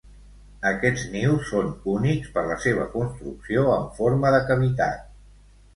Aquests nius són únics per la seva construcció en forma de cavitat.